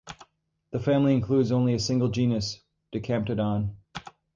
The family includes only a single genus, Dicamptodon.